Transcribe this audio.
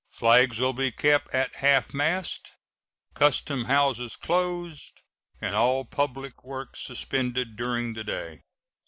Flags will be kept at half mast, custom houses closed, and all public work suspended during the day.